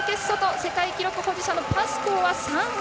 世界記録保持者のパスコーは３位。